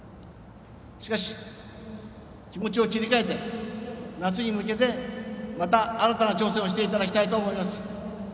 しかし、気持ちを切り替えて夏に向けて、また新たな挑戦をしていただきたいと思います。